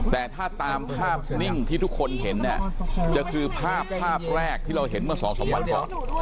แต่ถ้าตามภาพนิ่งที่ทุกคนเห็นเนี่ยจะคือภาพภาพแรกที่เราเห็นเมื่อสองสามวันก่อน